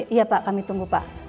iya pak kami tunggu pak